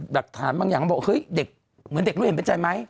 หลักฐานบางอย่างก็บอกเฮ้ยเด็กเหมือนเด็กรู้เห็นเป็นใจไหม